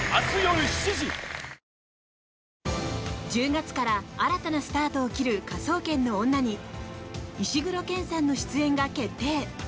１０月から新たなスタートを切る「科捜研の女」に石黒賢さんの出演が決定！